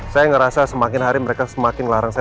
saya ngerasa semakin hari mereka semakin ngelarang saya